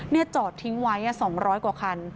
นี่จอดทิ้งไว้๒๐๐กว่าคัน